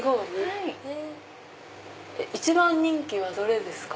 一番人気はどれですか？